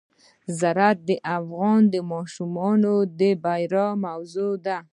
زراعت د افغان ماشومانو د لوبو موضوع ده.